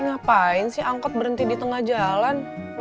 ngapain sih angkot berhenti di tengah jalan